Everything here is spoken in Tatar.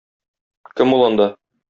Кем ул анда?